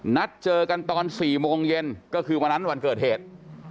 นัดเจอกันตอน๔โมงเย็นก็คือวันนั้นวันเกิดเหตุ